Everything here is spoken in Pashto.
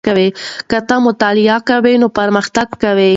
که ته مطالعه کوې نو پرمختګ کوې.